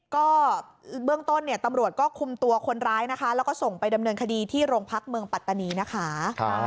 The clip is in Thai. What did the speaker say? ก็เบื้องต้นเนี่ยตำรวจก็คุมตัวคนร้ายนะคะแล้วก็ส่งไปดำเนินคดีที่โรงพักเมืองปัตตานีนะคะ